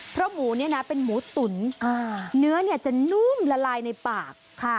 เพราะหมูเนี่ยนะเป็นหมูตุ๋นเนื้อจะนุ่มละลายในปาก